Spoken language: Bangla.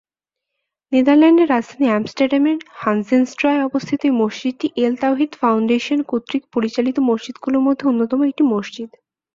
নেদারল্যান্ডসের রাজধানী আমস্টারডামের হানজেনস্ট্রায় অবস্থিত এই মসজিদটি এল তাওহীদ ফাউন্ডেশন কর্তৃক পরিচালিত মসজিদগুলোর মধ্যে অন্যতম একটি মসজিদ।